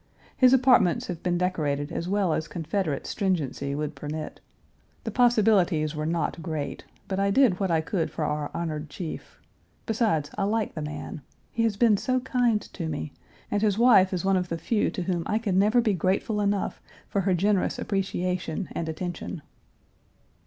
His apartments have been decorated as well as Confederate stringency would permit. The possibilities were not great, but I did what I could for our honored chief; besides I like the man he has been so kind to me, and his wife is one of the few to whom I can never be grateful enough for her generous appreciation and attention.